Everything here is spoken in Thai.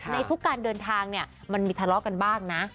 ในทุกการเดินทางเนี่ยมันมีทะเลาะกันบ้างนะ